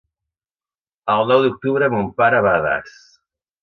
El nou d'octubre mon pare va a Das.